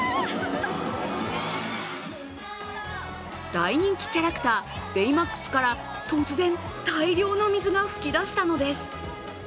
大人気キャラクターベイマックスから突然大量の水が噴き出したのです。